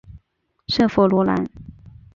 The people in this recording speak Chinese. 圣弗洛兰。